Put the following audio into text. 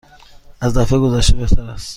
از دفعه گذشته بهتر است.